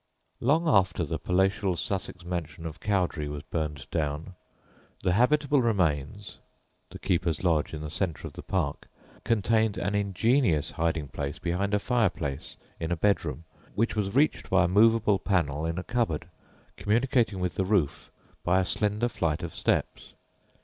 Long after the palatial Sussex mansion of Cowdray was burnt down, the habitable remains (the keeper's lodge, in the centre of the park) contained an ingenious hiding place behind a fireplace in a bedroom, which was reached by a movable panel in a cupboard, communicating with the roof by a slender flight of steps.